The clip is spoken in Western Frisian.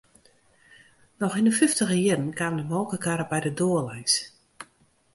Noch yn 'e fyftiger jierren kaam de molkekarre by de doar lâns.